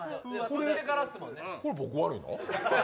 これ僕、悪いの？